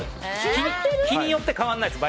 日によって変わらないです。